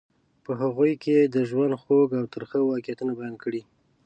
په هغوی کې یې د ژوند خوږ او ترخه واقعیتونه بیان کړي.